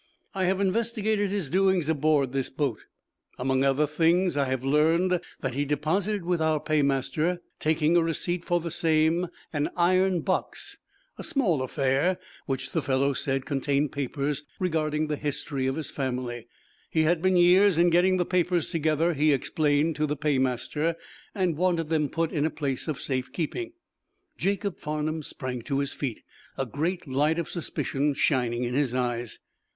"I have investigated his doings aboard this boat. Among other things I have learned that he deposited with our paymaster, taking a receipt for the same, an iron box a small affair which, the fellow said, contained papers regarding the history of his family. He had been years in getting the papers together, he explained to the paymaster, and wanted them put in a place of safe keeping." Jacob Farnum sprang to his feet, a great light of suspicion shining in his eyes.